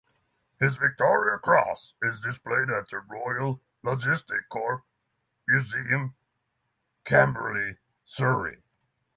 His Victoria Cross is displayed at the Royal Logistic Corps Museum, Camberley, Surrey.